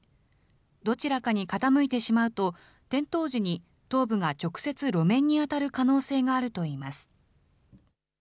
どちらかに傾いてしまうと、転倒時に頭部が直接、路面に当たる可能性があるといいます。